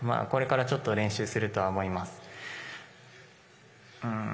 これからちょっと練習するとは思います。